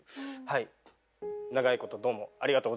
はい。